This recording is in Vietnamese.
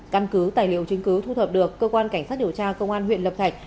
căn cứ tài liệu chứng cứ thu thập được cơ quan cảnh sát điều tra công an huyện lập thạch